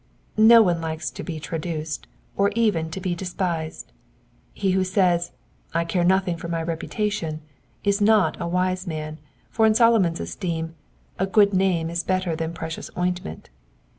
No one likes to be traduced, or even to be despised. He who says, "I care nothing for my reputation," is not a wise man, for in Solomon's esteem a good name is better than precious ointment."